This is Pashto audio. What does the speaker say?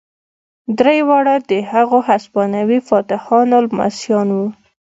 درې واړه د هغو هسپانوي فاتحانو لمسیان وو.